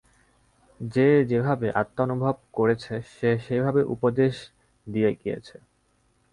যে যে-ভাবে আত্মানুভব করেছে, সে সেইভাবে উপদেশ দিয়ে গিয়েছে।